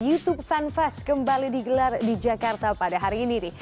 youtube fanfest kembali digelar di jakarta pada hari ini